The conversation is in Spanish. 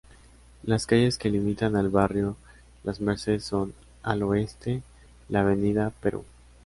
Las calles que limitan al barrio Las Mercedes son, al oeste, la Avenida Perú.